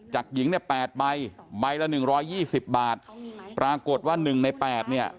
จากหญิงเนี่ย๘ใบใบละ๑๒๐บาทปรากฏว่า๑ใน๘เนี่ย